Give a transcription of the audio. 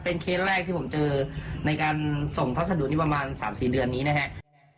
เคสแรกที่ผมเจอในการส่งพัสดุนี่ประมาณ๓๔เดือนนี้นะครับ